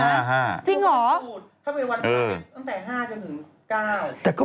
ถ้าเป็นวันตายตั้งแต่๕จนถึง๙